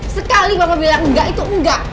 sekali bapak bilang enggak itu enggak